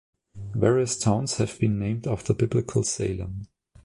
Various towns have been named after Biblical Salem.